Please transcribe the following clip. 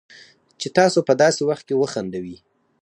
چې تاسو په داسې وخت کې وخندوي